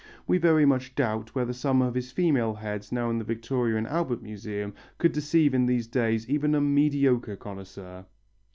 We very much doubt whether some of his female heads now in the Victoria and Albert Museum could deceive in these days even a mediocre connoisseur.